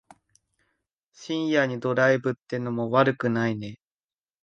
深夜にドライブってのも悪くないね。